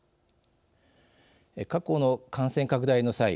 過去の感染拡大の際